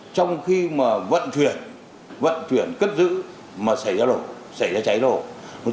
trong khi mà vận chuyển vận chuyển cất giữ mà xảy ra cháy nổ